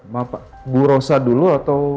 maaf pak bu rosa dulu atau